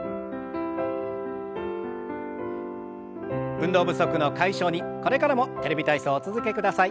運動不足の解消にこれからも「テレビ体操」お続けください。